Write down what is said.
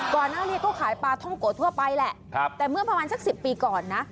ก่อนหน้านี้ก็ขายปลาท่องโกะทั่วไปแหละแต่เมื่อประมาณสัก๑๐ปีก่อนนะ